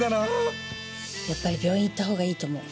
やっぱり病院行った方がいいと思う。